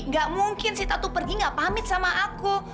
gak mungkin sita tuh pergi gak pamit sama aku